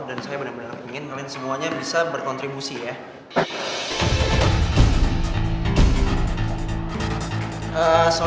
dan saya bener bener ingin kalian semuanya bisa berkontribusi ya